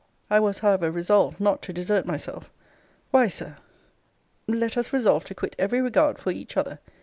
I was, however, resolved not to desert myself Why, Sir! let us resolve to quit every regard for each other.